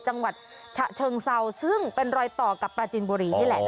จังหวัดฉะเชิงเซาซึ่งเป็นรอยต่อกับปราจินบุรีนี่แหละ